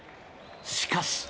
しかし。